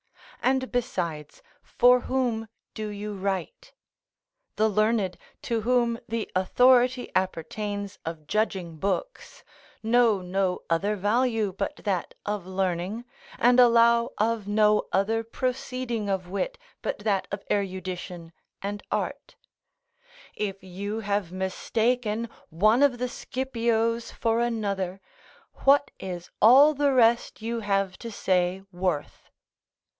And, besides, for whom do you write? The learned, to whom the authority appertains of judging books, know no other value but that of learning, and allow of no other proceeding of wit but that of erudition and art: if you have mistaken one of the Scipios for another, what is all the rest you have to say worth?